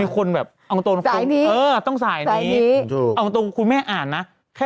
คุณแม่แหละคุณไม่ต้องเชื่อ